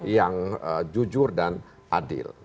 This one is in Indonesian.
yang jujur dan adil